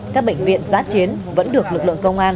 các bệnh viện giá chiến vẫn được lực lượng chức năng làm nhiệm vụ